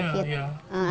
asam urat amangkapuran